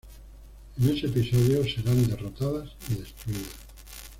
En ese episodio, serán derrotadas y destruidas.